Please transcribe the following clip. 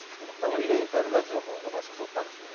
オリエンタルラジオもこの前、誘ったんですよ。